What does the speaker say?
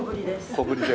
小ぶりで。